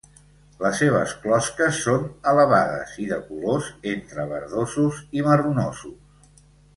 Les seves closques són elevades, i de colors entre verdosos i marronosos.